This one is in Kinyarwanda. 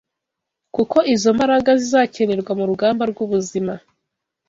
kuko izo mbaraga zizakenerwa mu rugamba rw’ubuzima